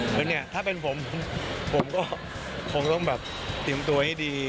เพราะนี่ถ้าเป็นผมผมก็คงต้องแบบติมตัวให้ดี